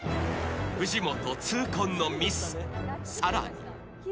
藤本痛恨のミスさらにハハハ！